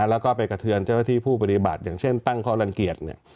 แล้วก็ไปกระเทือนเจ้าหน้าที่ผู้ปฏิบัติอย่างเช่นตั้งข้อลังเกียจ